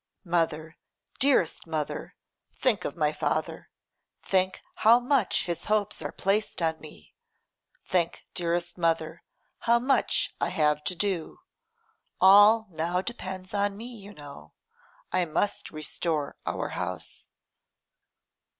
'Mother, dearest mother, think of my father; think how much his hopes are placed on me; think, dearest mother, how much I have to do. All now depends on me, you know. I must restore our house.